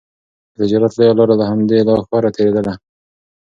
د تجارت لویه لاره له همدې ښاره تېرېدله.